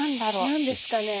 何ですかね？